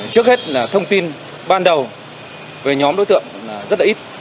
trước hết là thông tin ban đầu về nhóm đối tượng rất là ít